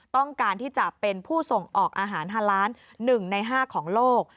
ต้องการที่จะเป็นผู้ส่งออกอาหารฮาล้าน๑ใน๕ของโลก